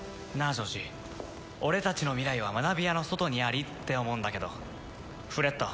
ジョージ俺たちの未来は学びやの外にありって思うんだけどフレッド